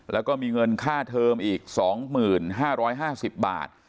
แล้วก็มีเงินค่าเทอมอีก๒๕๕๐บาท